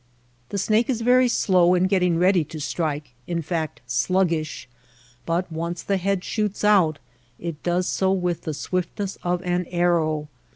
The snake is very slow in getting ready to strike, in fact sluggish ; but once the head shoots out, it does so with the swiftness of an arrow.